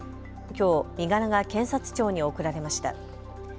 きょう、身柄が検察庁に送られました。